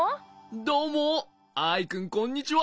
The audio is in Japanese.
どうもアイくんこんにちは。